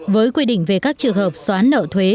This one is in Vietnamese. với quy định về các trường hợp xóa nợ thuế